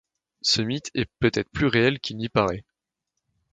Ce mythe est peut-être plus réel qu'il n'y paraît…